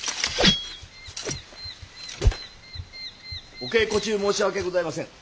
お稽古中申し訳ございません。